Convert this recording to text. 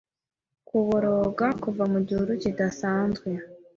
Kuboroga kuva mu gihuru kidasanzwe